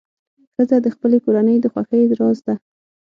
ښځه د خپلې کورنۍ د خوښۍ راز ده.